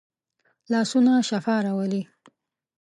لاسونه شفا راولي